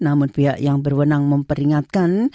namun pihak yang berwenang memperingatkan